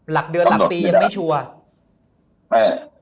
หลักเดือนหลักปียังไม่ชัวร์